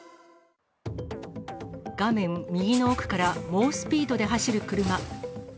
画面右の奥から猛スピードで走る車。